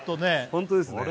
ホントですね